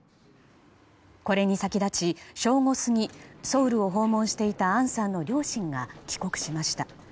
これに先立ち正午過ぎソウルを訪問していた杏さんの両親が帰国しました。